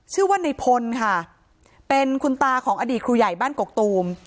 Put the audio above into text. ชื่อว่าในพลค่ะเป็นคุณตาของอดีตครูใหญ่บ้านกกตูม